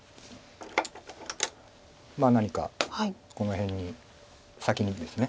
まあ何かこの辺に先にですね。